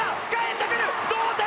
同点！